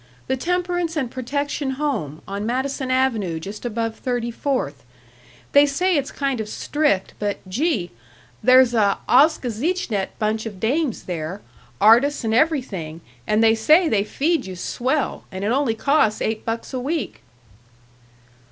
The Temperance and Protection Home, on Madison Avenue just above Thirty fourth. They say it's kind of strict, but, gee! there's a' ausgezeichnet bunch of dames there, artists and everything, and they say they feed you swell, and it only costs eight bucks a week."